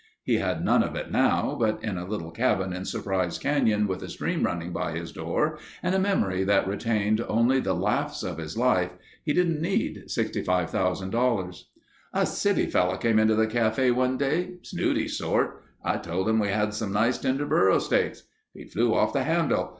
He had none of it now but in a little cabin in Surprise Canyon with a stream running by his door, and a memory that retained only the laughs of his life, he didn't need $65,000. "A city fellow came into the cafe one day. Snooty sort. I told him we had some nice tender burro steaks. He flew off the handle.